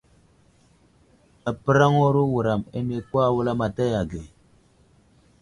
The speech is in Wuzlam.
Apəraŋwaro wuram ane kwa wulamataya age.